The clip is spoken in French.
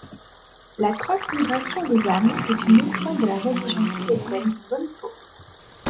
La transmigration des âmes est une notion de la religion tibétaine bon-po.